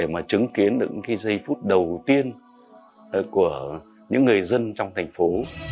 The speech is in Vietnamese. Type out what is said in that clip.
mà chứng kiến được cái giây phút đầu tiên của những người dân trong thành phố